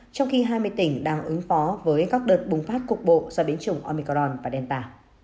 trong khi hai mươi tỉnh đang ứng phó với các đợt bùng phát cục bộ do biến chủng omikarn và delta